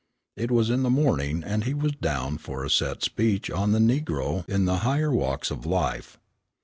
It was in the morning, and he was down for a set speech on "The Negro in the Higher Walks of Life."